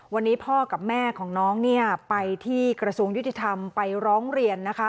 วันนี้พ่อกับแม่ของน้องเนี่ยไปที่กระทรวงยุติธรรมไปร้องเรียนนะคะ